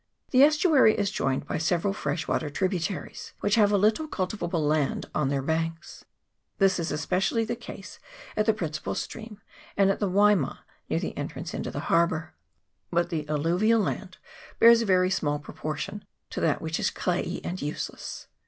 The estuary is joined by several fresh water tributaries, which have a little cultivable land on their banks ; this is especially the case at the prin cipal stream, and at the Waima near the entrance into the harbour ; but the alluvial land bears a very small proportion to that which is clayey and use less.